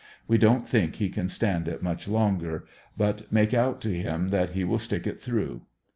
We don't think he can stand it much longer, but make out to him that he will stick it through.